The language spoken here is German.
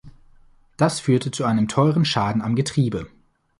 Das führte zu einem teuren Schaden am Getriebe.